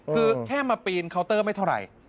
คือแค่มาปีนเคาน์เตอร์ไม่เท่าไหร่